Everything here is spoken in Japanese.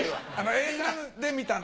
映画で見たの。